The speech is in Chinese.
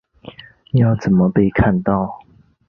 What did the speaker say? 要怎么被看到